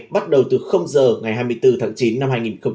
bắt đầu từ giờ ngày hai mươi bốn tháng chín năm hai nghìn hai mươi